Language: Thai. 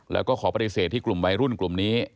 แล้วก็ขอปฏิเสธที่กลุ่มวัยรุ่นกลุ่มนี้